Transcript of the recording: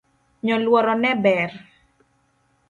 Nyoluoro ne ber